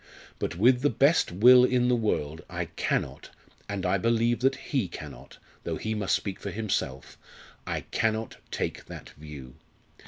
But with the best will in the world I cannot, and I believe that he cannot though he must speak for himself I cannot take that view.